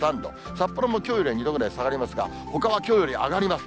札幌もきょうよりは２度ぐらい下がりますが、ほかはきょうより上がります。